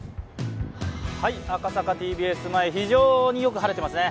赤坂ＴＢＳ前、非常によく晴れていますね。